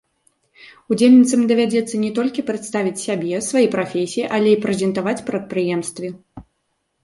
Удзельніцам давядзецца не толькі прадставіць сябе, свае прафесіі, але і прэзентаваць прадпрыемствы.